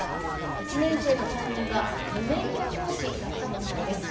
１年生の担任が無免許教師だった問題です。